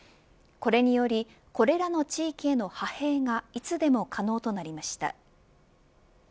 これによりこれらの地域への派兵がいつでも可能となりました。